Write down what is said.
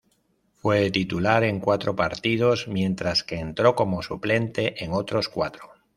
Fue titular en cuatro partidos mientras que entró como suplente en otros cuatro.